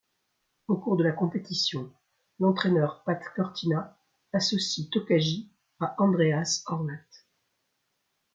Au cours de la compétition, l'entraîneur Pat Cortina associe Tokaji à András Horváth.